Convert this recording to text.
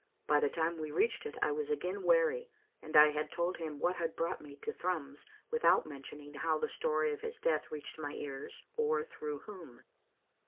By the time we reached it I was again wary, and I had told him what had brought me to Thrums, without mention ing how the story of his death reached my ears, or through whom.